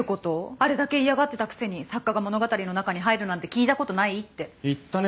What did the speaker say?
あれだけ嫌がってたくせに作家が物語の中に入るなんて聞いたことないって言ったね